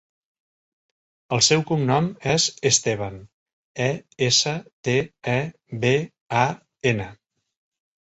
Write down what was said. El seu cognom és Esteban: e, essa, te, e, be, a, ena.